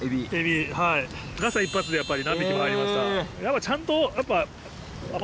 ガサ一発でやっぱり何匹も入りました。